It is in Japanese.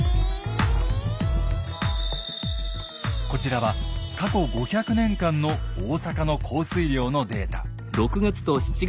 こちらは過去５００年間の大阪の降水量のデータ。